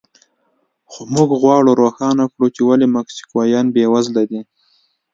خو موږ غواړو روښانه کړو چې ولې مکسیکویان بېوزله دي.